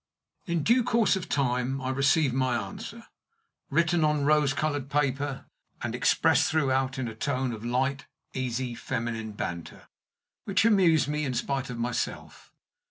In due course of time I received my answer, written on rose colored paper, and expressed throughout in a tone of light, easy, feminine banter, which amused me in spite of myself.